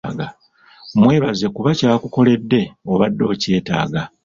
Mwebaze kuba kyakukoledde obadde okyetaaga.